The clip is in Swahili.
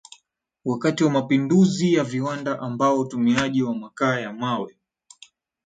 wakati wa mapinduzi ya viwanda ambapo utumiaji wa makaa ya mawe